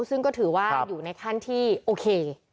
ซึ่งก็ถือว่าอยู่ในขั้นที่โอเค